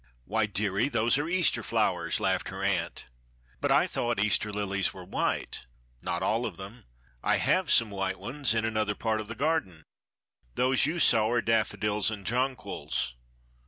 "Why, dearie, those are Easter flowers," laughed her aunt. "But I thought Easter lilies were white." "Not all of them. I have some white ones—in another part of the garden. Those you saw are daffodils and jonquils."